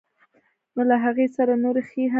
نو له هغې سره نورې نښې هم وي.